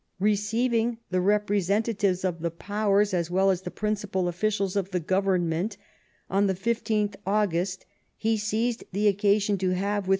" Receiving the representatives of the Powers as well as the principal officials of the Government, on the 15th August, he seized the occasion to have with M.